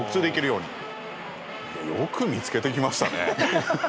よく見つけてきましたね。